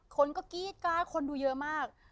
คนก็กรี๊ดกราดคนดูเยอะมาก